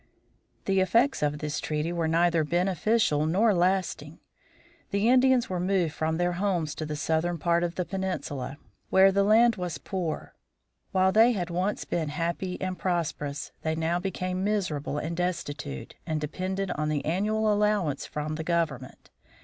The effects of this treaty were neither beneficial nor lasting. The Indians were moved from their homes to the southern part of the peninsula, where the land was poor. While they had once been happy and prosperous, they now became miserable and destitute, and dependent on the annual allowance from the government.